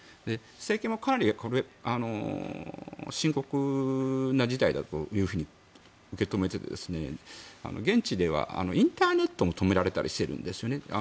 政権もかなり深刻な事態だと受け止めて現地ではインターネットも止められたりしてるんですよね。